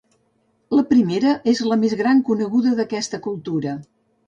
La primera és la més gran coneguda d'aquesta cultura.